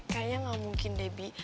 kayaknya gak mungkin debi